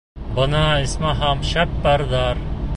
Бына, исмаһам, шәп парҙар!